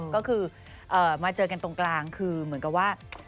ก็คือมาเจอกันตรงกลางคือเหมือนกับว่า